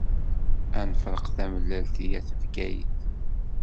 A nefṛeq tamellalt i At Bgayet.